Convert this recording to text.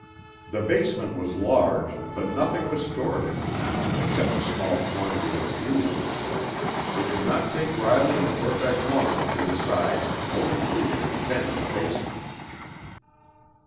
The basement was large, but nothing was stored in it now except a small quantity of fuel. It did not take Riley and Verbeck long to decide no intruder had been in the basement.